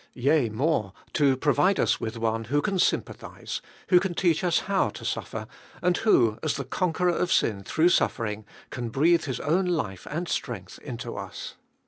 Yea more, to provide us with One, who can sympathise, who can teach us how to suffer, and who, as the Conqueror of sin through suffering, can breathe His own life and strength into us.